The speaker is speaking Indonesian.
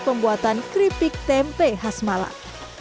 pembuatan keripik tempe khas malang